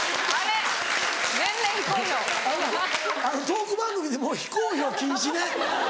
トーク番組でもう非公表禁止ね。